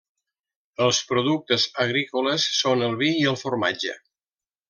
Els productes agrícoles són el vi i el formatge.